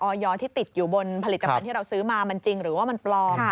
ที่ติดอยู่บนผลิตภัณฑ์ที่เราซื้อมามันจริงหรือว่ามันปลอม